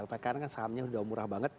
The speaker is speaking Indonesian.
lpkr kan sahamnya sudah murah banget